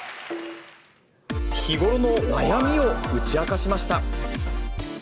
日頃の悩みを打ち明かしました。